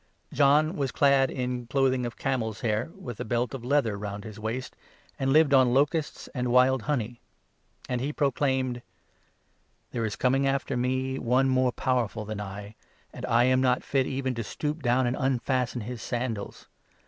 John was clad in clothing of camels' hair, with a belt of leather 6 round his waist, and lived on locusts and wild honey ; and he 7 proclaimed — "There is coming after me one more powerful than I, and I am not fit even to stoop down and unfasten his sandals.